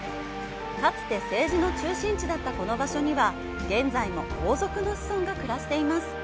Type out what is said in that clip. かつて政治の中心地だったこの場所には、現在も王族の子孫が暮らしています。